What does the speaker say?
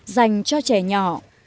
dành cho trẻ nhỏ